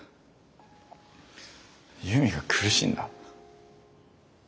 悠美が苦しんだ？